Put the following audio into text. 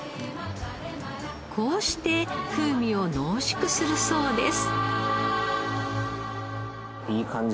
こうして風味を濃縮するそうです。